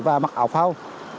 và mặc áo phao